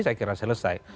saya kira selesai